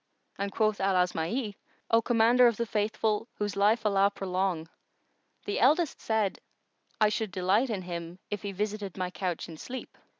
and quoth Al Asma'i, "O Commander of the Faithful, whose life Allah prolong! the eldest said, 'I should delight in him, if he visited my couch in sleep.